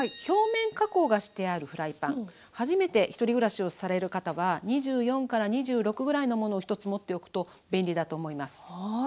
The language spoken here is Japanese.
表面加工がしてあるフライパン初めて１人暮らしをされる方は２４２６ぐらいのものを１つ持っておくと便利だと思います。